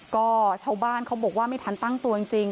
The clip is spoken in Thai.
ก็ชาวบ้านเขาบอกว่าไม่ทันตั้งตัวจริง